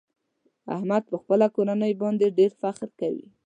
احمد په خپله کورنۍ باندې ډېر فخر کوي.